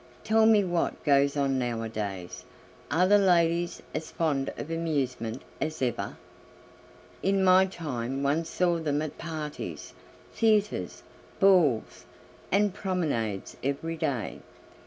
Tell me what goes on nowadays; are the ladies as fond of amusement as ever? In my time one saw them at parties, theatres, balls, and promenades every day.